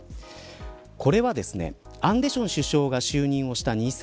これは、アンデション首相が就任した